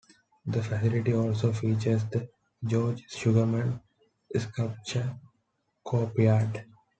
The facility also features the George Sugarman sculpture courtyard.